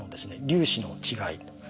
粒子の違い。